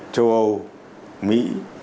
châu âu mỹ